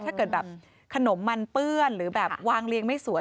ถ้าเกิดแบบขนมมันเปื้อนหรือแบบวางเรียงไม่สวย